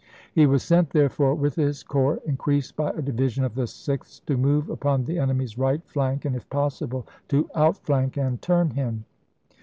He was sent, therefore, with his corps, increased by a division of the Sixth, to move upon the enemy's right flank, and, if possible, to outflank THE LINE OF THE KAPIDAN 249 and tui n Mm.